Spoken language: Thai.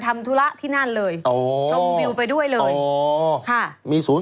มีมี